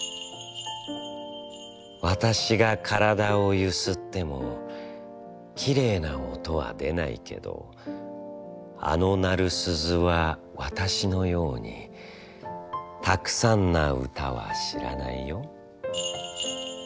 「私がからだをゆすっても、きれいな音は出ないけど、あの鳴る鈴は私のようにたくさんな唄は知らないよ」。